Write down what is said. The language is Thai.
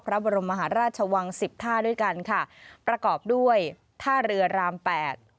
พระบรมมหาราชวังสิบท่าด้วยกันค่ะประกอบด้วยท่าเรือรามแปด